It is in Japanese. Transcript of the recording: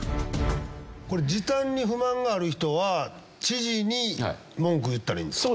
これ時短に不満がある人は知事に文句言ったらいいんですか？